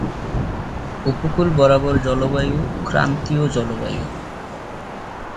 উপকূল বরাবর জলবায়ু ক্রান্তীয় জলবায়ু।